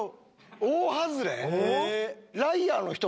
大外れ